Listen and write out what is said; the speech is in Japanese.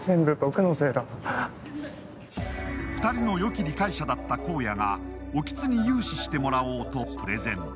２人のよき理解者だった功也が興津に融資してもらおうとプレゼン。